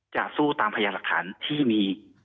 จะสู้ตามพยายามลักษณ์ที่มี